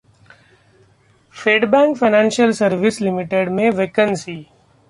Fedbank Financial Services Ltd में vacancy